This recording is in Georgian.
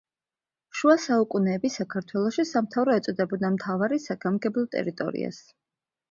შუა საუკუნეების საქართველოში, სამთავრო ეწოდებოდა მთავარის საგამგებლო ტერიტორიას.